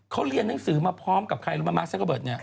เขาเรียนหนังสือมาพร้อมกับใครรู้ไหมมาร์คซักเกอร์เบิร์ดนี้